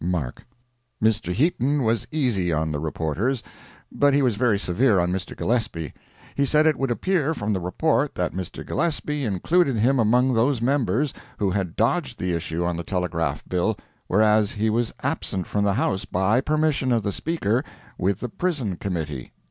—MARK] Mr. Heaton was easy on the reporters, but he was very severe on Mr. Gillespie. He said it would appear from the report that Mr. Gillespie included him among those members who had dodged the issue on the telegraph bill—whereas he was absent from the House, by permission of the Speaker, with the Prison Committee.